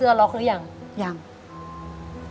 อเรนนี่คือเหตุการณ์เริ่มต้นหลอนช่วงแรกแล้วมีอะไรอีก